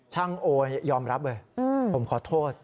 ช่างโอยอมรับเว้ยผมขอโทษ